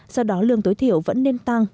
do đó lương tối thiểu vẫn nên tăng